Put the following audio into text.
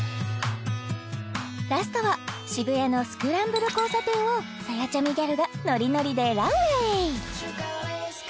ラストは渋谷のスクランブル交差点をさやちゃみギャルがノリノリでランウェイ